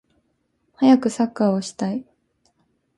はやくサッカーをしたい